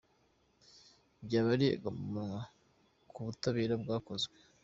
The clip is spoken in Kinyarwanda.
Byaba ari agahomamunwa ku butabera bwakozwe”.